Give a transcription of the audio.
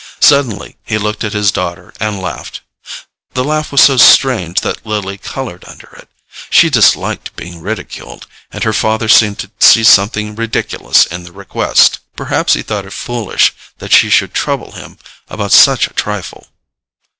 Suddenly he looked at his daughter and laughed. The laugh was so strange that Lily coloured under it: she disliked being ridiculed, and her father seemed to see something ridiculous in the request. Perhaps he thought it foolish that she should trouble him about such a trifle.